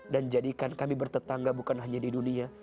dan jadikan kami bertetangga bukan hanya di dunia